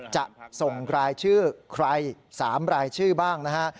จะส่งรายชื่อใคร๓รายชื่อบ้างนะฮะ